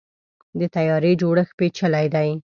د طیارې جوړښت پیچلی دی.